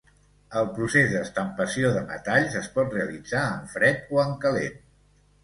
El procés d'estampació de metalls es pot realitzar en fred o en calent.